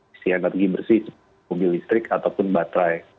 isi energi bersih mobil listrik ataupun baterai